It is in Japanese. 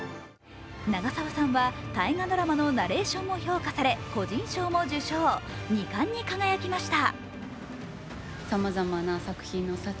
長澤さんは大河ドラマのナレーションも評価され、個人賞も受賞、２冠に輝きました。